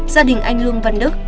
gia đình anh lương văn đức